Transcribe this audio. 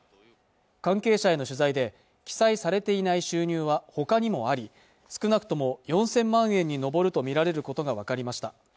関係者への取材で記載されていない収入はほかにもあり少なくとも４０００万円に上るとみられることが分かりました